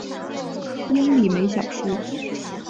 英里每小时。